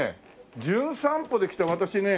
『じゅん散歩』で来た私ね。